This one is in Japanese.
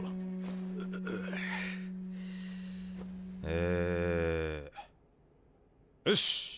えよし！